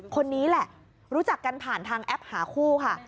คนนี้แหละรู้จักกันผ่านทางแอปหาคู่ค่ะ